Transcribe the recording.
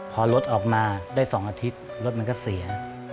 พอรถออกมาได้๒อาทิตย์รถมันก็เสีย